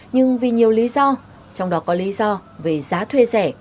nhưng vì nhiều lý do trong đó có lý do về giá thuê rẻ